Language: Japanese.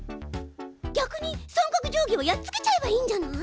逆に三角定規をやっつけちゃえばいいんじゃない？